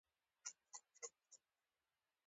غوماشې د خلکو د آرام ګډوډوي.